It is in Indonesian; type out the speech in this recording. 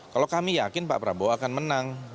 kalau kami yakin pak prabowo akan menang